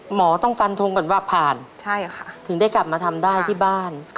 หมอต้องฟันทงก่อนว่าผ่านถึงได้กลับมาทำได้ที่บ้าน